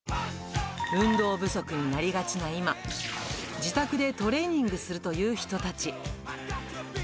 運動不足になりがちな今、自宅でトレーニングするという人たち。